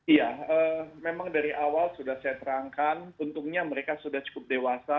iya memang dari awal sudah saya terangkan untungnya mereka sudah cukup dewasa